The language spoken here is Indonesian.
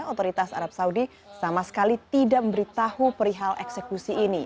otoritas arab saudi sama sekali tidak memberitahu perihal eksekusi ini